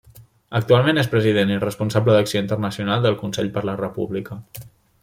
Actualment és president i responsable d'acció internacional del Consell per la República.